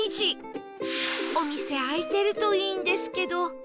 お店開いてるといいんですけど